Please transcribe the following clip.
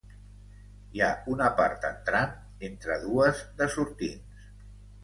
Hi ha una part entrant entre dues de sortints.